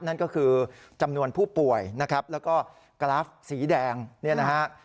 นั่นก็คือจำนวนผู้ป่วยนะครับแล้วก็กราฟสีแดงเนี่ยนะฮะ